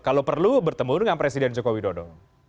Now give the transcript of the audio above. kalau perlu bertemu dengan presiden jokowi dodo